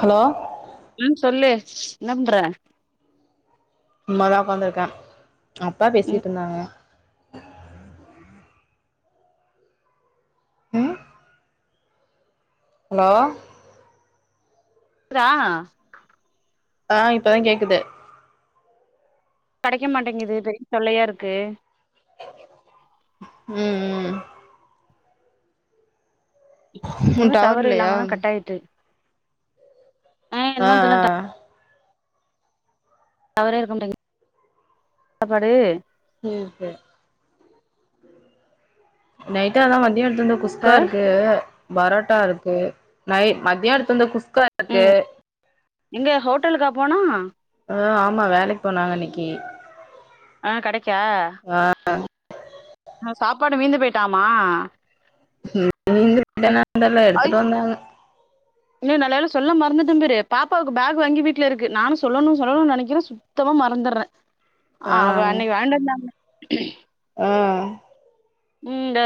Hello ம் சொல்லு என்ன பன்ற சும்மா தா உட்காந்துருக்க அப்பா ம் பேசிட்டுருந்தாங்க ம் ஹலோ க்குதா ஆ இப்பதா கேக்குது கெடைக்க மாட்டேங்குது பெரிய தொல்லையா இருக்கு உம் உம் உன் இங்கருந்து டவர் இல்லையா இல்லாமதா கட் ஆயிட்டு ஆ என்னமோ தெர்ல ஆ டவரே இருக்க மாட்டேங் ப்பாடு உம் நைட்டு ஆனா மதியோ எடுத்துரு வந்த குஸ்கா ஆ இருக்கு பரோட்டா இருக்கு நை மத்தியோ எடுத்து வந்த குஸ்கா இருக்கு ம் எங்க ஹோட்டலுக்கா போனோ ஆ ஆமா வேலைக்கு போனாங்க இன்னக்கி ஆ கடைக்கா ஆ சாப்பாடு மீந்து போயிட்டாமா [unintelligible] ஐ எடுத்துட்டு வந்தாங்க இன்னு நல்ல வேள சொல்ல மறந்துட்டே பாரு பாப்பாவுக்கு பேக் வாங்கி வீட்ல இருக்கு நானும் சொல்லணும் சொல்லணும்னு நெனக்கிறே சுத் சுத்தமா மறந்துட்றேன் ஆ அவ அன்னைக்கு வாங்கிண்டுவந்தா ஆ உம் இந்த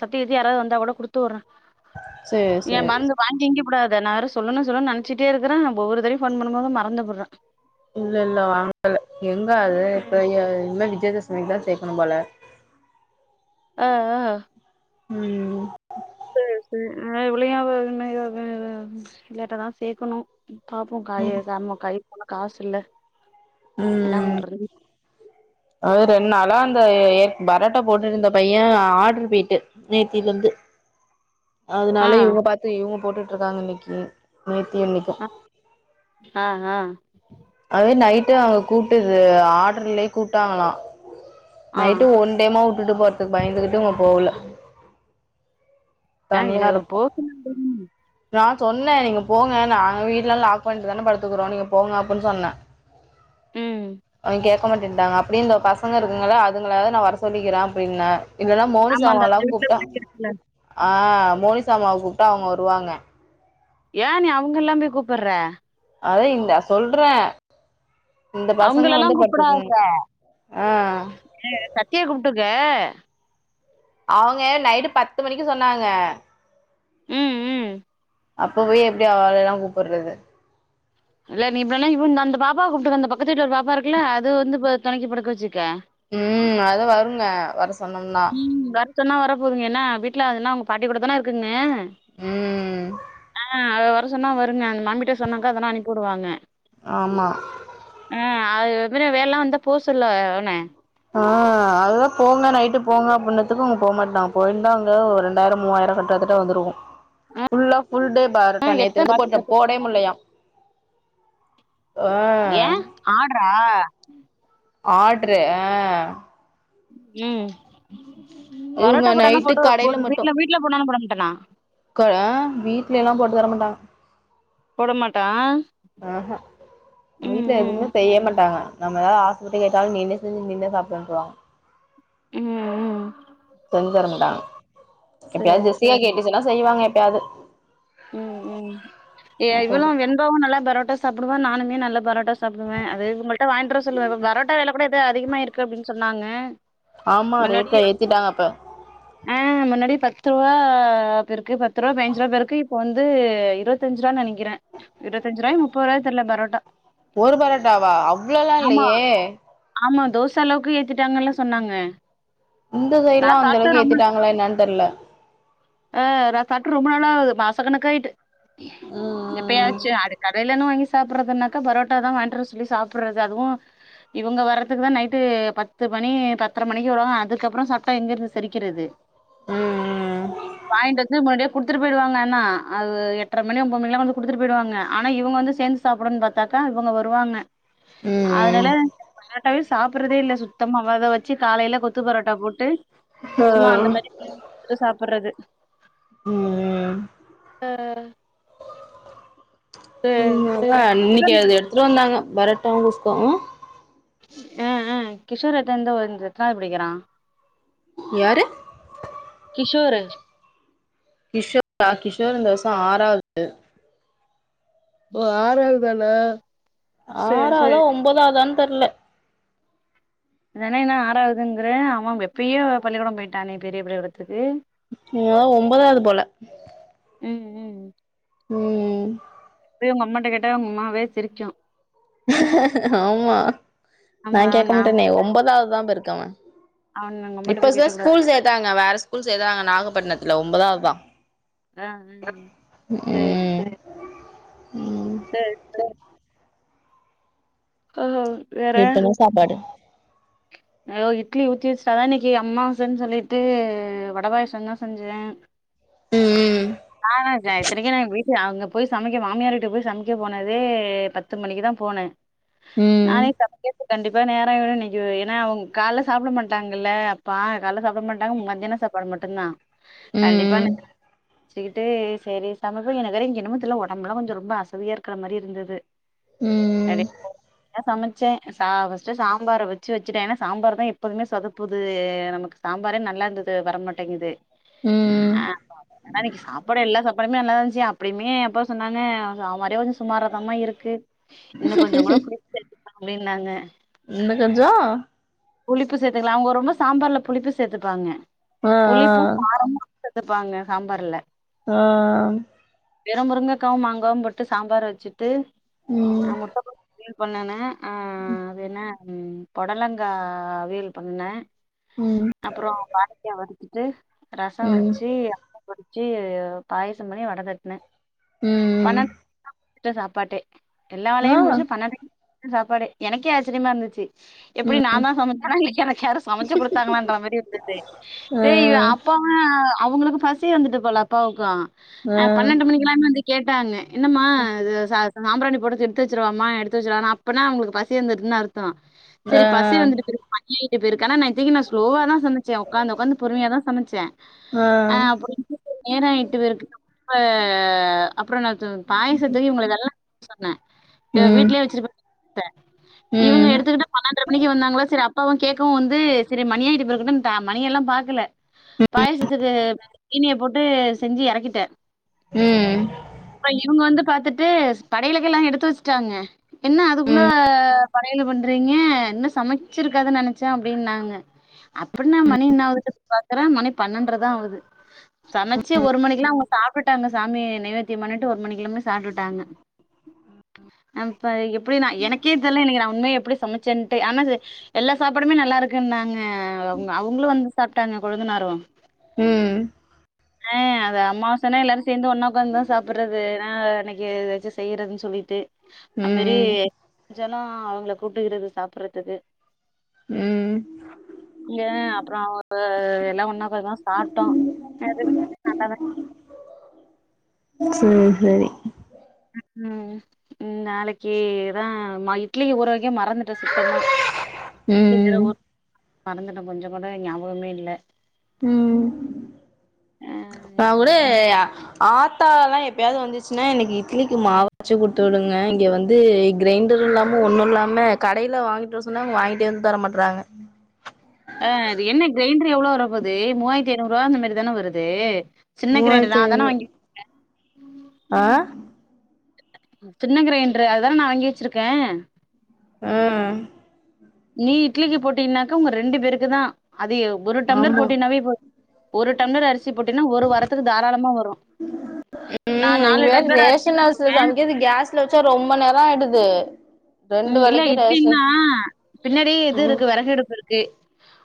சத்தி யித்தி யாராவது வந்தாக் கூட குடுத்து வுட்றே சேரி ஏ சேரி மருந்து வாங்கி ஈங்கி புடாதே நா வேற சொல்லணு சொல்லுணுன்னு நெனச்சிட்டே இருக்கே ஒவ்வொரு தடயும் ஃபோன் பண்ணும் போதும் மறந்து புட்றே இல்ல இல்ல வாங்கல எங்க அது ம் இப்ப இன்மே விஜய தசமிக்கு தான் சேக்கணும் போல ஆ ஆ [unintelligible] சேர் சேர் ஆ இவளயு [unintelligible] லேட்டா தா சேக்கணும் பாப்போம் காய செம்ம கை போன காசு இல்ல உம் என்ன உம் பண்றது அது ரெண்டு நாளா அந்த ய பரோட்டா போட்டுட்ருந்த பையே ஆர்டர் போயிட்டு நேத்திலந்து ஆ அதுனால இவுங்க பாத்து இவுங்க போட்டுட்டு இருக்காங்க இன்னக்கி நேத்தியு இன்னைக் ஆ ஆ அதே நைட்டு அங்க கூப்ட்டு இது ஆர்டர்லேயே கூப்ட்டாங்களாம் ஆ நைட்டு ஒன் டெமா விட்டுட்டு போறதுக்கு பயந்துகிட்டு அவுங்க போகல ஆ இது போக் [inaudible] நான் சொன்னே நீங்க போங்க நாங்க வீட்ல எல்லா லாக் பண்ணிட்டு தான படுத்துக்கிறோம் நீங்க போங்க அப்டின்னு சொன்னே ம் அது கேக்க மாட்டேன்ட்டாங்க அப் அப்டி இந்தப் பசங்க இருக்குங்கல்ல அதுங்கள யாரையாது நான் வர சொல்லிக்கிறேன் அப்டின்னே இல்லேன்னா ஆமா அந்த மோனிசாம்மாலா அந்த வீட்ல கூப்பிட்டா பிள்ளைங்க இருக்குல்ல ஆ மோனிசாம்மாவக் கூப்ட்டா அவுங்க வருவாங்க ஏன் நீ அவுங்களல்லாமே கூப்புட்ற அதே இந்த சொல்றே இந்த பசங்க அவங்களல்லா வந்து பட்த்துக்குங்க ஆ என்ன இது சத்திய கூப்ட்டுக்க அவுங்க நைட்டு பத்து மணிக்கி சொன்னாங்க உம் உம் அப்ப போய் எப்டி அவாலெல்லா கூப்புட்றது இல்ல நீ இப்டில்லா இவு அந்த பாப்பா கூப்டுக்க அந்த பக்கத்து வீட்டுல ஒரு பாப்பா இருக்குல்ல அது வந்து இப்ப தொணக்கி படுக்க ச்சுக்க உம் அது வருங்க வர சொ உம் வரச் சொன்னா வர போதுங்க ஏன்னா வீட்ல அதுன்னா அவுங்க பாட்டி கூட தான இருக்குங்க உம் ஆ அவ வரச் சொன்னா வருங்க அந்த மாம்மிட்ட சொன்னாக்கா அதெல்லா அனுப்புடுவாங்க ஆமா ஆ அது இவரு வேல்லா வந்தா போஸ்ஸொல்லு அவன ஆ அதா போங்க நைட்டு போங்க அப்டினத்துக்கு அவுங்க போக மாட்டாங்க போயிருந்தா அங்க ஒரு ரெண்டாயிர மூவாயிர கட்டுறதுக் ட்ட வந்துருக்கு ஃபுல்லா ஃபுல் டே பாரத்தா ம் எத்தன நேத்துலந்து பாத்து போட்டெ பாத்து போடயே முட்லையா ஏ ஆட்ரா ஆட்ரு ஆ உம் இவங்க பரோட்டா போட்டான்னா நைட்டு ஃபோட்டோவப் கடையில போட்டு வீட்ல வீட்ல போனானா போட மாட்டானா கொ அ வீட்ல எல்லா போட்டு தர மாட்டாங்க போட மாட்டா அஹா ம் வீட்ல ம் எதுவுமே செய்ய மாட்டாங்க நம்ம எதா ஆச பட்டு கேட்டாலு நீனே செஞ்சு நீனே சாப்டுன்றுவாங்க ம் ம் செஞ்தர மட்டாங்க எப்பயாது சேரி ஜெசியா சேரி கேட் எனா செய்வாங்க எப்யாது ம் ம் ஏ இவளு வெண்பாவு நல்லா பரோட்டா சாப்புடுவா நானுமே நல்ல பரோட் ட்ட சாப்டுவே அது இவங்கள்ட வாங்கிட்ர சொல்லுவ பரோட்டா வெல கூட எது அதிகமாயிர்க்கு அப்டின் சொன்னாங்க ஆமா முன்னாடி ரேட்டாலா ஏத்திட்டாங்க இப்ப ஆ முன்னாடி பத்ரூவா போயிர்க்கு பத்ருவா பயின்ஞ்சுருவா போயிர்க்கு இப்ப வந்து இருவத்தஞ்சுருவான்னு நெனக்கிற இருத்தஞ்சுருவாய் முப்பருவாய் தெர்ல பரோட்டா ஒரு பரோட்டாவா அவ்ளோலா ஆமா, இல்லையே ஆமா தோச அளவுக்கு ஏத்திட்டாங்கல்லா னு சொன்னாங்க இந்த சைட்லா நான் அந்தளவுக்கு ஏத்திட்டாங்களா என்னான் தெர்ல அ நா சாப்ட்டு ரொம்ப நாளாகுது மாசக்கணக்காயிட்டு ம் எப்பயாச்சு அதுக்க வெலனு வாங்கி சாப்புட்றதுனாக்கா பரோட்டா தா வாயின்ட்ற சொல்லி சாப்புட்றது அதுவு இவங்க வர்றதுக்கு தா நைட்டு பத்து மணி பத்தர மணிக்கு வருவாங்க அதுக்கப்ரோ சாப்டா எங்கருந்து செரிக்கிறது ம் வாய்ட்டு வந்து முன்னாடியே குடுத்துட்டு போயிடுவாங்க ஆ அது எட்ர மணி ஒம்போது மணில்லா கொண்ணந்து குடுத்துட்டு போயிடுவாங்க ஆனா இவங்க வந்து சேந்து சாப்புடனு பாத்தாக்கா இவங்க வருவாங்க அதனால பரோட்டாவே சாப்புற்றதே இல்ல சுத்தமா அத வச்சு காலையில கொத் கொத்து பரோட்டா போட்டு ஆ சும்மா அந்த ம் மாரி [inaudible] சாப்புட்றது ம் ம் ஆ ம் ஆ அன்னக்கி கிஷோர் அது எடுத்துட்டு வந்தாங்க பரோட்டாவு குஷ்காவு ஆஆ கிஷோர் எத்தன் த வந்து எத்தனாவது படிக்கிறா யாரு கிஷோரு கிஷோரா கிஷோர் இந்த வர்ஷோ ஆறாவ்து ஓ ஆறாவத்தான ஆறாதா ஒம்பதாதான்னு தெர்ல அதான என்ன ஆராதுங்குற அவன் எப்பயோ பள்ளிக்கூடோ போயிட்டானே பெரிய பள்ளிக்கூடத்துக்கு நீங்களா ஒம்பதாவ்து போல ம் ம் ம் ம் இதுவே உங்கம்மாட கேட்ட உங்கம்மாவே சிரிக்கு ஆமா நா கேக்க மாட்டனே ஒம்பதாவ்துதா போய்ருக்காவ அவன் உங்க அம்மாட்ட இப்ப போய் ச கேட்டக்கூடாது ஸ்கூல் சேத்தாங்க வேற ஸ்கூல் சேத்தாங்க நாகப்பட்டினத்துல ஒம்பதாவத ஆ ஆ பறோ ம் ம் செரி ப்ரோ ஆ இப்ப என்ன சாப்பாடு யோ இட்லி ஊத்தி வச்ட் அதா இன்னைக்கி அம்மாவசன் சொல்லிட்டு வடபாயாச தா செஞ்ச ம் ஆ நா இத்தனைக்கு நா எங் வீ அங்க போய் சமைக்க மாமியார் வீட்டுக்கு போய் சமைக்க போனதே பத்து மணிக்கு தா போன ம் நானே சமைக்றத்கு கண்டிப்பா நேர வேணு இன்னைக்கிவ் எனா அவ்ங்க கால்ல சாப்ட மாட்டாங்கல்ல அப்பா கால சாப்பிட மாட்டாங்க மத்தியான சாப்டு மட்டுதா கண்டிப்பா நெ ம் சுக்கிட்டு செரி சமப எனக்கு வேற இங்க என்னன்னு தெரில ஒடம்புலா கொஞ்சோ ரொம்ப அசதியாருக்க மாரி இருந்துது ம் [unintelligible] சமச்சே சா ஃபஷ்ட் சாம்பார வச் சுட்டோ ஏன்னா சாம்பார் தா எப்போதுமே சொதுப்புது நமக்கு சாம்பாரே நல்லா இருந்தது வர மாட் டிங்குது அ ம் ஏனா இன்னிக்கு சாப்பாடு எல்லா சாப்பாடுமே நல்லா தா இருந்துச்சு அப்டியுமே அப்பா சொன்னாங்க அவ வரன்ஞ் சுமாராதாமா இருக்கு இன்னு கொஞ்சோ கூட புளிப் சேத்துருக்கலாமேன்னாங்க இன்னு கொஞ்சோ புளிப்பு சேத்துக்கலா அவ்ங்க ரொம்ப சாம்பார்ல புளிப்பு சேத்துப்பாங்க ஆ புளிப்பு காரமு சேத்துப்பாங்க சாம்பாருல ஆ வெறு முருங்கக்காவு மாங்காவு போட்டு சாம்பார் வச்சுட்டு ம் நா முட்ட போட்டு பொண்ணன ஆ அது என்ன பொடலங்கா அவியல் பன்னே ம் அப்புரோ கானத்யூ வதச்சிட்டு ரசோ ம் வச்சு படிச்சு பாயசம் பண்ணி வட தட்னே ம் பண்ணென்டுகு தா வச்சே சாப்பாட்டே எல்லா ஆ வேலையு முடிச்சு பன்னெண்டே வச்சே சாப்பாடே எனக்கே ஆச்சரியமா இருந்துச்சு எப்டி நான்தா சமச்சனா இல்ல எனக்கு யாரு சமச்சு கொடுத்தாங்களான்ற மாரி இருந்தது ஆ டேய்அப்போ அவங்களுக்கு பசி வந்துட்டு போல அப்பாவுக்கு ஆ அ பன்னெண்டு மணிக்ல்லா வந்து கேட்டாங்க என்னம்மா இது சா சாம்ராணி போடது எத்து வச்சருவாமா எடுத்து வச்சுருவான்னு அப்பனா அவ்ங்ளுக்கு பசி வந்துருசுன் அர்த்தோ செரி ஆ பசி வந்துட்டு [unintelligible] நா இத்தனைக்கு நா ஸ்லோவா தா சமச்சே உக்காந்து உக்காந்து பொறுமையாதா சமச்சே ஆ அ அப்டின்டு நேரோ ஆய்ட்டு வேற இருக்கு அப்புற நா பாயாசத்துக்கு இவ்கள இதெல்லா சொன்னே இப்ப ம் வீட்லயே வச்சிருப்ப ட்ட இவங்க ம் எடுத்துக்கிட்டு பன்னன்ர மணிக்கு வந்தாங்களா சரி அப்பாவு கேட்கவு வந்து சரி மணியாகிட்டு போலஇருக்கன்னு மணிய எல்லா பாக்கல பாயசத்துக்கு சீனிய போட்டு செஞ்சு எறக்கிட்டே ம் ப்ப இவுங்க வந்து பாத்துட்டு படையலுகில்லா எடுத்து வெஷ்ட்டாங்க என்ன அதுக்குள்ள படையலு பண்றீங்க இன்னு சமச்சிருக்காதுன் நெனச்சே அப்டின்னாங்க அப்பற் நா மணி இன்னாவது பாக்குறே மணி பன்னென்ட்ரதா ஆவுது சமச்சி ஒரு மணிக்கெல்லா அவுங்க சாப்டுட்டுட்டாங்க சாமி நைவேத்தியம் பண்ணிட்டு ஒரு மணிக்கெலாமே சாப்டுட்டாங்க அப்ப எப்படி நா எனக்கே தெல்லா எனக்கு நா உண்மை எப்டி சமச்சேன்ட்டு ஆனா எல்லா சாப்பாடுமே நல்லா இருக்குன்னாங்க அவுங்க அவுங்ளு வந்து சாப்ட்டாங்க கொழுந்தனாரு ம் ஆ அது அம்மாவாசன்னா எல்லாரு சேந்து ஒன்னா உக்காந்தா சாப்பறது ஆ அன்னைக்கி எதாச்சு செய்றதுன் சொல்லிட்டு அந்மாரி ம் செஞ்சனா அவுங்கள கூப்ட்டுக்கிறது சாப்பிற்றதுக்கு ம் யே அப்றோ அவுங்க எல்லா ஒன்னா உக்காந்துதா சாப்ட்டோ எது [unintelligible] சே சேரி ம் ம் நாளைக்கிதா ம இட்லிக்கு ஊறவெக்க மறந்துட்டே சுத்தமா இட்லிக் வேற ம் ஊற மறந்துட்டே கொஞ்ச கூட ஞாபகமே இல்ல ம் ஆ நா கூட அ ஆத்தால்லா எப்பயாவ்து வந்துச்சுன்னா எனக்கு இட்லிக்கு மாவரச்சு குட்த்து விடுங்க இங்க வந்து க்ரைண்டர் இல்லாம ஒன்னு இல்லாம கடையில வாங்கிட்டுவர சொன்னா வாங்கிட்டே வந் தர மாட்றாங்க ஆ அது என்ன க்ரைண்டர் எவ்ளோ வரப்போது மூவாயிரத்தி ஐநூறுவா அந்தமாரிதானே வருது சின்ன கிரைண்டர் நா மூவாய்ர்த்தி தான ஐநூறு வாங்கி ஆ சின்ன க்ரைண்ட்ரு அதுதான நா வாங்கி வெச்சிருக்கே ஆ நீ இட்லிக்கு போட்டீனாக்கா உங்க ரெண்டு பேருக்கு தா அது எவ் ஒரு டம்ளர் ஆமா போட்டினாவே போ ஒரு டம்ளர் அரிசி போட்டின்னா ஒரு வாரத்துக்கு தாராளமா வரு நா ம் நாலு டம்ளர் அரிசி போடுவே ச்சில வெச்சா ரொம்ப நேர ஆய்டுது ம் இல்ல இட்லினா பின்னாடியே இது இருக்கு வெறகடுப்பு இருக்கு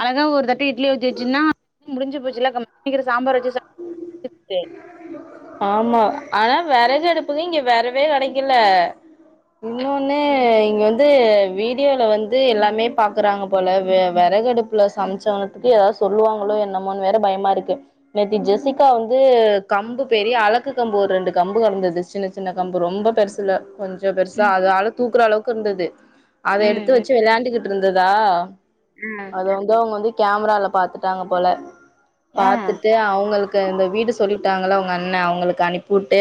அழகா ஒரு தட்டு இட்லி ஊத்தி வெச்சுன்னா [inaudible] முடிஞ்சு போச்சுல இப்ப [inaudible] சாம்பார் வெச்சு சாப் [inaudible] ஆமா ஆனா வெறகடுப்புக்கு இங்க வெறவே கெடைக்கில இன்னொன்னு இங்க வந்து வீடியோல வந்து எல்லாமே பாக்குறாங்க போல வ வெறகடுப் புல சம்ச்சானதுக்கு எதாவ்து சொல்லுவாங்களோ என்னமோனு வேற பயமாருக்கு நேத்து ஜெசிகா வந்து கம்பு பெரிய அலக்கு கம்பு ஒர் ரெண்டு கம்பு கடந்தது சின்ன சின்ன கம்பு ரொம்ப பெருசுல கொஞ்சோ பெருசா ம் அது அல தூக்குற அளவுக்கு இருந்தது அத எடுத்து ம் வெச்சு வெளையாண்டுக்கிட்டுருந்ததா ம் அது வந் து அவுங்க வந்து கேமரால பாத்துட்டாங்க போல ஆ ஆ பாத்துட்டு அவுங்களுக் க இந்த வீடு சொல்லிவுட்டாங்கள அவுங்க அண்ணே அவுங்களுக்கு அனுப்புட்டு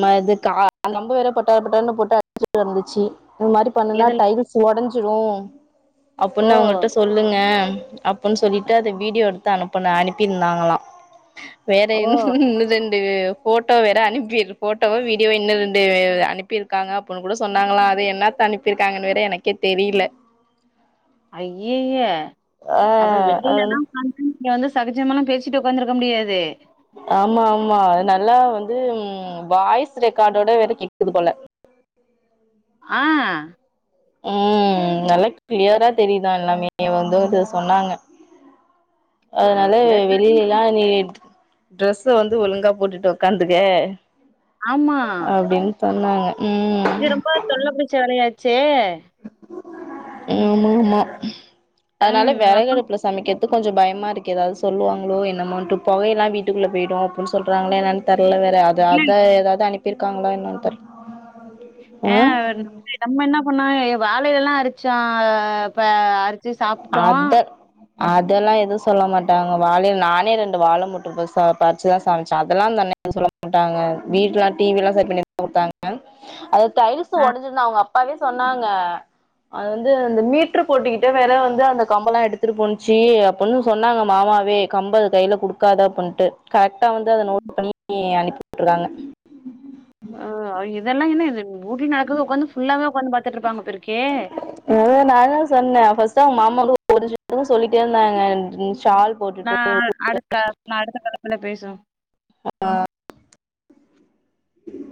ம இது க கம்பு வேற பட்டார் பட்டார்ன்னு போட்டு அடிச்சுட்டு இருந்துச்சு அந் மாரி பண்ணனா எதுல டைல்ஸ் ஒடஞ்சிரு அப்பின் ஓ! அவுங்கள்ட்ட சொல் லுங்க அப்பன் சொல்லிட்டு அத வீடியோ எடுத்து அனுப்புன அனுப்பிருந்தாங்களா வேற என்ன ஓ! [unintelligible] இது ஃபோட்டோ வேற அனுப்பிரு ஃபோட்டோவோ வீடியோவோ இன்னு ரெண்டு அனுப்பிருக்காங்க அப்புனுகூட சொன்னாங்களா அது என்னத்த அனுப்பிருக்காங்கன்னு வேற எனக்கே தெரியில ஐய்ஐய்யே ஆ அவ அது வெளிலலா [unintelligible] கூட்டிட்டு வந்து சகஜமாலா பேசிட்டு உக்காந்துருக்க முடியாது ஆமா ஆமா அது நல்லா வந்து வாய்ஸ் ரெக்கார்டோட வேற கேக்குது போல ஆ ம் நல்லா கிளியரா தெரியுதா எல்லாமே வந்து ஒர்த சொன்னாங்க அதனால அண்டர்ஸ்டாண்ட் வெளியிலல்லா நீ ட்ரெஸ்ஸ வந்து ஒழுங்கா போட்டுட்டு உக்காந்துக்கே ஆமா. அப்டின்னு சொன்னாங்க ம் இது ரொம்ப தொல்லபுடிச்ச வேலையாச்சே ஆமா ஆமா ஆ அதனால வெறகு நம்ம அடுப்புல சமைக்கத்து கொஞ்ச பயமா இருக்குது எதாவது சொல்லுவாங்களோ என்னமோண்ட்டு பொகையெல்லா வீட்டுக்குள்ள போய்டும் அப்னு சொல்றாங்கள என்னா தெர்ல வேற அதது பிள்ளைங் அதா எதாவது அனுப்பியிருக்காங்களா இன்னொன்னு தர் ஆ நம் நம்ம என்ன பண்ணோ வாழைய எல்லா அரிச்சோ அ ப அத அதெல்லா எதுவு சொல்ல மாட்டாங்க வாழைய நானே ரெண்டு வாழை முட்டு போ பறிச்சுதா சமைச்ச அதெல்லா அந்த அண்ணே சொல்ல மாட்டாங்க வீட் லா டிவில்லா சரி பண்ணிதா குடுத்தாங்க அது டைல்ஸ் ஆ ஒடஞ்சிருனு அவுங்க அப்பாவே சொன்னாங்க அது வந்து இந்த மீட்ரு போட்டிக்கிட்ட வேற வந்து அந்த கம்பல்லா எடுத்துட்டு போண்ச்சு அப்பன்னு சொன்னாங்க மாமாவே கம்ப அதுகையில குடுக்காத அப்புன்னுட்டு கரெக்டா வந்து அத நோட் பண்ணி அனுப்பி உட்டுருக்காங்க ஆ இதெல்லா என்ன இது ஊட்டி நடக்குது ஒக்காந்து ஃபுல்லாவே உக்காந்து பாத்துட்டு இருப்பாங்க போருக்கே மொத நா தா சொன்ன ஃபர்ஸ்ட்டா அவுங்க மாமா [inaudible] சொல்லிட்டே இருந்தாங்க ஷால் போட்டுட்டு நா அடுக்க நா அடுத்த தலைப்புல பேசுவ ஆ